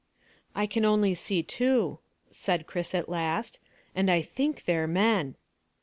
"I can only see two," said Chris at last, "and I think they're men."